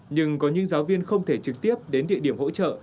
nhưng có những giáo viên không thể trực tiếp đến địa điểm hỗ trợ